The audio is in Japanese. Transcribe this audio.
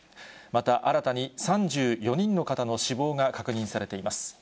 また、新たに３４人の方の死亡が確認されています。